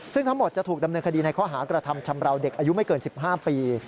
ซึ่งทั้งหมดจะถูกดำเนินคดีในข้อหากระทำชำราวเด็กอายุไม่เกิน๑๕ปี